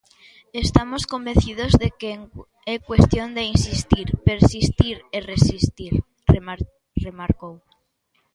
"Estamos convencidos de que é cuestión de insistir, persistir e resistir", remarcou.